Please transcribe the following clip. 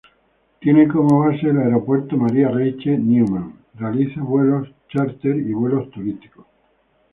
Tiene como base el Aeropuerto María Reiche Neuman, realiza vuelos chárter y vuelos turísticos.